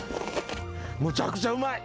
むちゃくちゃうまい！